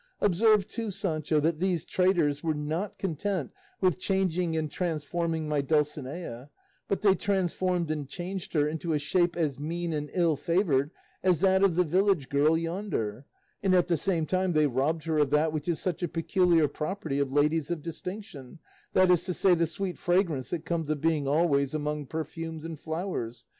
Observe too, Sancho, that these traitors were not content with changing and transforming my Dulcinea, but they transformed and changed her into a shape as mean and ill favoured as that of the village girl yonder; and at the same time they robbed her of that which is such a peculiar property of ladies of distinction, that is to say, the sweet fragrance that comes of being always among perfumes and flowers.